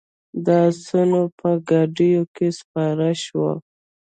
د آسونو په ګاډیو کې سپاره شوو.